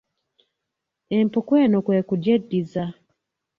Empuku eno kwe kugyeddiza